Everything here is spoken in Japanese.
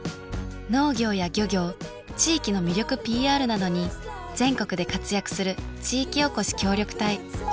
農業や漁業地域の魅力ＰＲなどに全国で活躍する地域おこし協力隊。